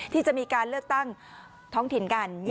ที่จะมีการเลือกตั้งท้องถิ่นกัน